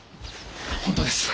本当です。